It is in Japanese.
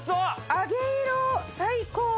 揚げ色最高！